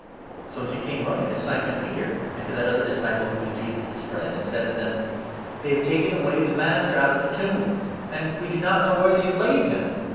So she came running to Simon Peter, and to that other disciple who was Jesus' friend, and said to^ them : "They have taken away the Master out of the tomb, and we do not know where they have laid him